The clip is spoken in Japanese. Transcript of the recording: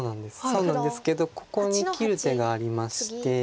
そうなんですけどここに切る手がありまして。